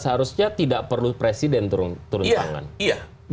seharusnya tidak perlu presiden turun tangan